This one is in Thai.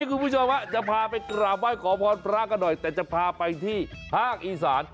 คุณผู้ชมจะพาไปกราบไหว้ขอพรพระกันหน่อยแต่จะพาไปที่ภาคอีสาน